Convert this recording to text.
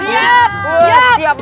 siap banget siap